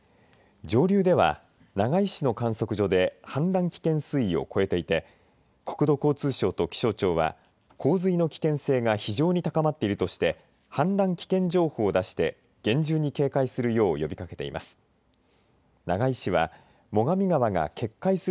上流では長井市の観測所で氾濫危険水位を越えていて国土交通省と気象庁は洪水の危険性が非常に高まっているとして氾濫危険情報を出して厳重に警戒するよう呼びかけています。